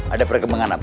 ada perkembangan apa